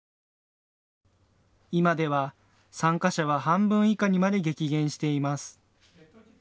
今では参加者は半分以下にまで激減しています。